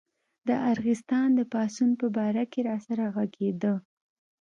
د ارغستان د پاڅون په باره کې راسره غږېده.